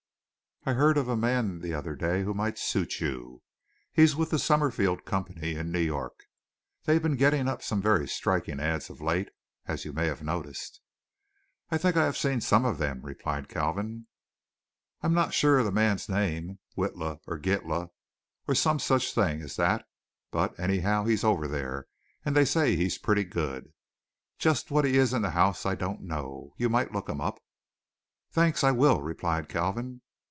"I heard of a man the other day who might suit you. He's with the Summerfield Company in New York. They've been getting up some very striking ads of late, as you may have noticed." "I think I have seen some of them," replied Kalvin. "I'm not sure of the man's name Witla, or Gitla, or some such thing as that; but, anyhow, he's over there, and they say he's pretty good. Just what he is in the house I don't know. You might look him up." "Thanks; I will," replied Kalvin.